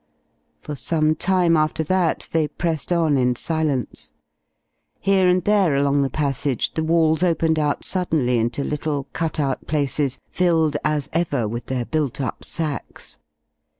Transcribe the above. For some time after that they pressed on in silence. Here and there along the passage the walls opened out suddenly into little cut out places filled as ever with their built up sacks.